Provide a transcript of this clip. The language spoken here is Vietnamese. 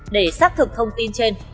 để xác thực thông tin trên